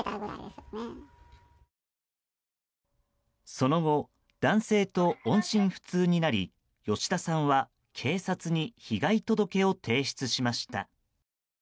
その後男性と音信不通になり吉田さんは警察に被害届を提出しました。